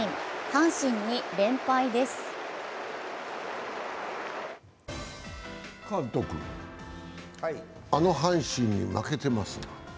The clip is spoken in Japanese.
監督、あの阪神に負けてますよ。